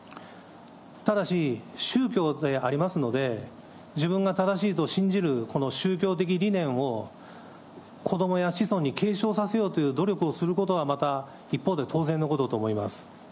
ただし、宗教でありますので、自分が正しいと信じるこの宗教的理念を、子どもや子孫に継承させようという努力をすることはまた一方では当然のことと思います。